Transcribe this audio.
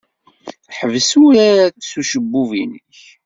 Ḥbes urar s ucebbub-nnek.